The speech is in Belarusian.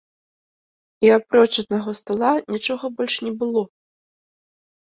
І апроч аднаго стала, нічога больш не было.